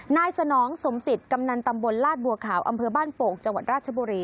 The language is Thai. สนองสมสิทธิ์กำนันตำบลลาดบัวขาวอำเภอบ้านโป่งจังหวัดราชบุรี